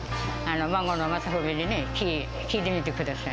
孫の匡史にね、聞いてみてください。